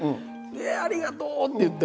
「ええありがとう！」って言って。